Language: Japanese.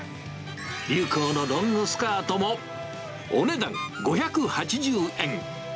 流行のロングスカートも、お値段５８０円。